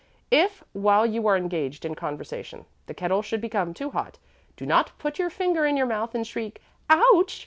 If, while you are engaged in conversation, the kettle should become too hot, do not put your finger in your mouth and shriek 'Ouch!'